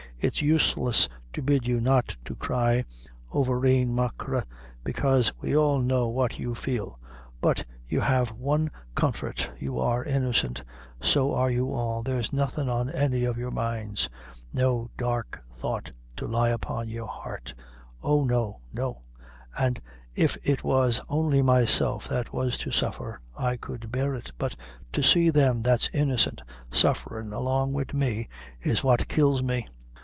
It's useless to bid you not to cry, avourneen machree, bekaise we all know what you feel; but you have one comfort you are innocent so are you all there's nothing on any of your minds no dark thought to lie upon your heart oh, no, no; an' if it was only myself that was to suffer, I could bear it; but to see them that's innocent sufferin' along wid me, is what kills me.